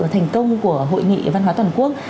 thành công của hội nghị văn hóa toàn quốc